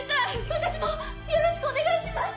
私もよろしくお願いします！